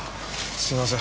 すいません。